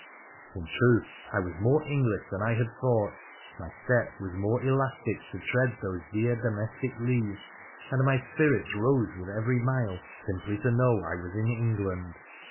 In truth, I was more English than I had thought, my step was more elastic to tread these dear domestic leas, and my spirits rose with every mile simply to know I was in England